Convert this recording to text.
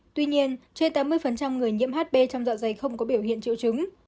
tuy nhiên trên tám mươi người nhiễm hb trong dạ dày không có biểu hiện triệu chứng